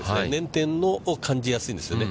捻転を感じやすいんですよね。